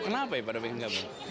kenapa pak ada pengen gabung